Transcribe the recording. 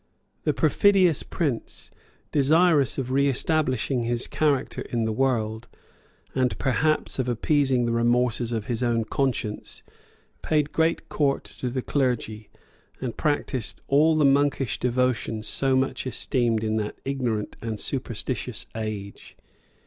[] The perfidious prince, desirous of reestablishing his character in the world, and perhaps of appeasing the remorses of his own conscience, paid great court to the clergy, and practised all the monkish devotion so much esteemed in that ignorant and superstitious age.